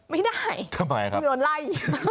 ไม่ได้ทำไมครับโดนไล่